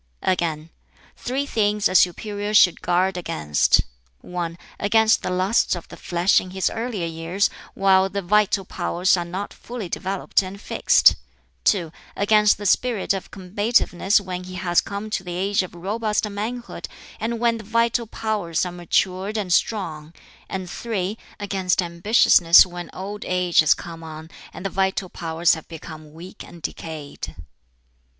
Again, "Three things a superior should guard against: (1) against the lusts of the flesh in his earlier years while the vital powers are not fully developed and fixed; (2) against the spirit of combativeness when he has come to the age of robust manhood and when the vital powers are matured and strong, and (3) against ambitiousness when old age has come on and the vital powers have become weak and decayed."